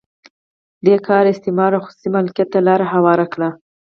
دې کار استثمار او خصوصي مالکیت ته لار هواره کړه.